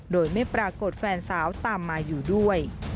โดยไม่ปรากฏแฟนสาวตามมาอยู่ด้วย